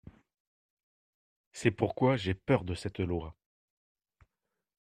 C’est pourquoi j’ai peur de cette loi.